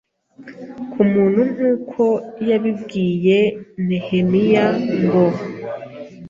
ku muntu nk’uko yabibwiye Nehemiya ngo “